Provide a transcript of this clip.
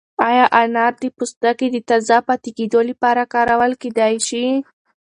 ایا انار د پوستکي د تازه پاتې کېدو لپاره کارول کیدای شي؟